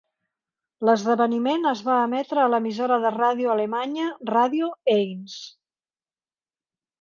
L'esdeveniment es va emetre a l'emissora de ràdio alemanya Radio Eins.